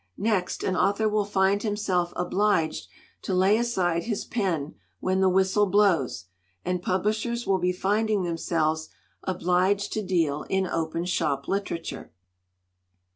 Next, an author will find himself obliged to lay aside his pen when the whistle blows, and publishers will be finding them selves obliged to deal in open shop literature."